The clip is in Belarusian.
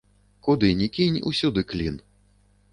Куды ні кінь, усюды клін.